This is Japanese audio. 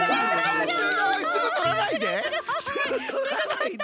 すごい！すぐとらないで！